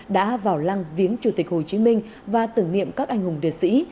đã vào lăng viếng chủ tịch hồ chí minh và tưởng niệm các anh hùng liệt sĩ